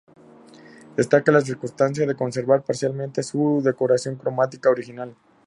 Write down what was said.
Destaca la circunstancia de conservar parcialmente su decoración cromática original.